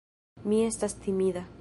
Mi estas timida.